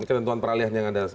ketentuan peralihan yang ada